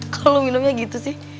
kok lu minumnya gitu sih